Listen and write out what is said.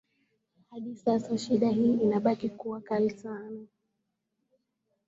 Hadi sasa shida hii inabaki kuwa kali sana